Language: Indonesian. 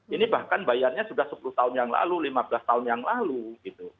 ini bahkan bayarnya sudah sepuluh tahun yang lalu lima belas tahun yang lalu gitu